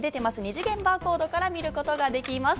２次元バーコードから見ることができます。